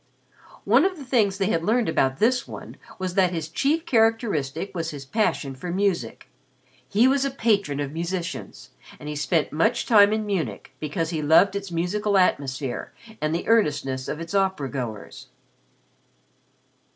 One of the things they had learned about this one was that his chief characteristic was his passion for music. He was a patron of musicians and he spent much time in Munich because he loved its musical atmosphere and the earnestness of its opera goers.